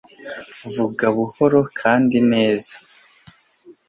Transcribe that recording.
vuga buhoro kandi neza